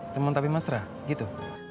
teman tapi mesra gitu